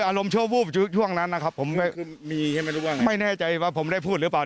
อารมณ์ชั่ววูบช่วงนั้นนะครับผมก็มีใช่ไหมไม่แน่ใจว่าผมได้พูดหรือเปล่า